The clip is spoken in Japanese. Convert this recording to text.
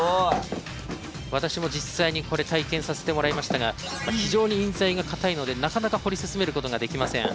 私も実際にこれ体験させてもらいましたが非常に印材が硬いのでなかなか彫り進めることができません。